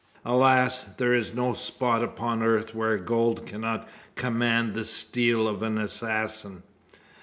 Alas! there is no spot upon earth where gold cannot command the steel of the assassin.